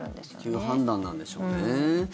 そういう判断なんでしょうね。